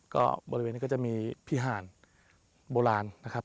ก็บริเวณนี้ก็จะมีพิหารโบราณนะครับ